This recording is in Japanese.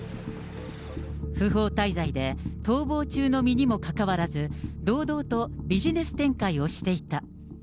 不法滞在で逃亡中の身にもかかわらず、堂々とビジネス展開をしていた。